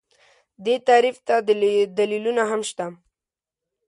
دې تعریف ته دلیلونه هم شته